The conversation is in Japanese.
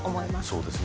そうですね。